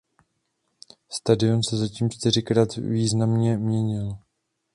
Stadion se zatím čtyřikrát významně měnil.